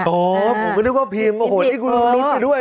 อ๋อผมก็นึกว่าพิมพ์โอ้โฮนี่กูดูนิดหนึ่งด้วย